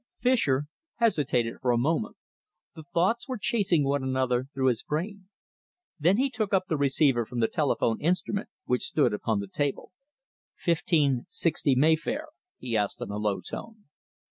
Fischer hesitated for a moment. The thoughts were chasing one another through his brain. Then he took up the receiver from the telephone instrument which stood upon the table. "1560 Mayfair," he asked in a low tone.